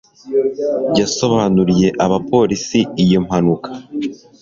yasobanuriye abapolisi iyi mpanuka